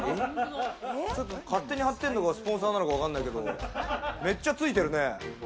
勝手に貼ってんのがスポンサーなのか、わかんないけれど、めっちゃついてるね。